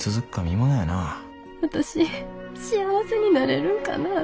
私幸せになれるんかなぁ。